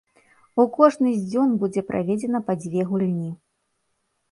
У кожны з дзён будзе праведзена па дзве гульні.